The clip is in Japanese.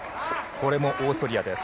これもオーストリアです。